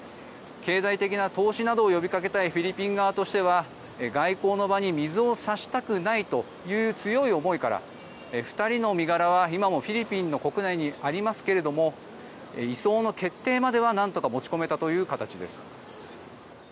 経済的な投資などを呼びかけたいフィリピン側としては外交の場に水を差したくないという強い思いから２人の身柄は今もフィリピンの国内にありますけれども移送の決定まではなんとか持ち込めたという形です。